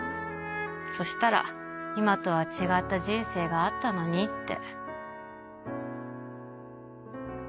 そしたら今とは違った人生があったのにって